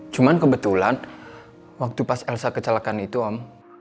cuman kebetulan waktu pas elsa kecelakaan itu om